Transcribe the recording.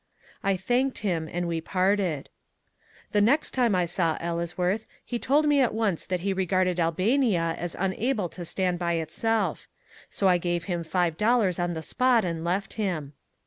I thanked him and we parted. The next time I saw Ellesworth he told me at once that he regarded Albania as unable to stand by itself. So I gave him five dollars on the spot and left him.